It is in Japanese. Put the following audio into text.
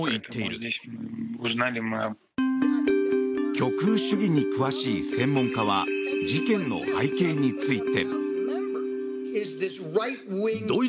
極右主義に詳しい専門家は事件の背景について。